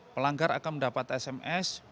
pelanggar akan mendapat sms